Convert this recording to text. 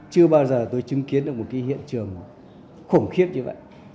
chưa bao giờ tôi chứng kiến được một cái hiện trường khủng khiếp như vậy